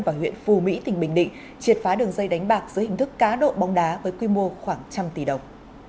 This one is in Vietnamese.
và huyện phù mỹ tỉnh bình định triệt phá đường dây đánh bạc dưới hình thức cá độ bóng đá với quy mô khoảng trăm tỷ đồng